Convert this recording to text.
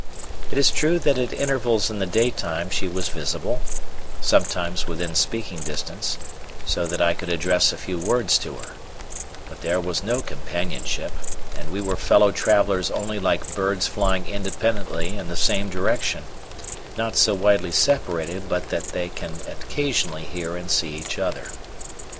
It is true that at intervals in the daytime she was visible, sometimes within speaking distance, so that I could address a few words to her, but there was no companionship, and we were fellow travellers only like birds flying independently in the same direction, not so widely separated but that they can occasionally hear and see each other.